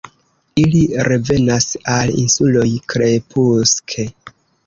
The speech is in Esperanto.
Ili revenas al insuloj krepuske.